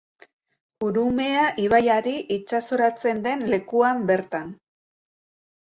Urumea ibaiari itsasoratzen den lekuan bertan.